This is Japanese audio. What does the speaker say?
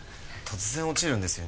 突然落ちるんですよ